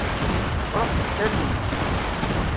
Ruḥ deg talwit.